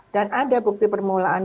dan ada bukti permulaan